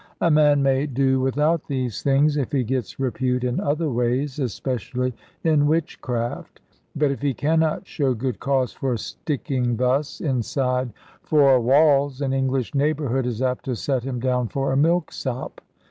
A man may do without these things, if he gets repute in other ways (especially in witchcraft), but if he cannot show good cause for sticking thus inside four walls, an English neighbourhood is apt to set him down for a milksop.